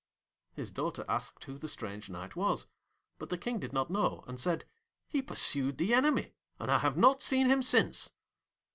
His daughter asked who the strange Knight was, but the King did not know, and said, 'He pursued the enemy, and I have not seen him since.'